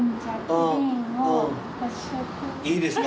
いいですか？